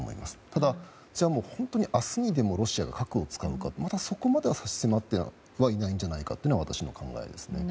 ただ、それは本当に明日にでもロシアが核を使うかまだそこまでは差し迫ってはいないんじゃないかというのが私の考えです。